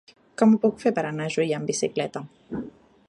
Com ho puc fer per anar a Juià amb bicicleta?